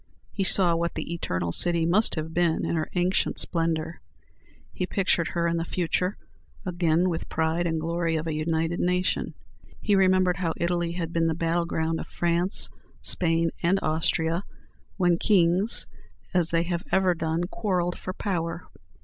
He saw what the Eternal City must have been in her ancient splendor; he pictured her in the future, again the pride and glory of a united nation. He remembered how Italy had been the battle ground of France, Spain, and Austria, when kings, as they have ever done, quarrelled for power.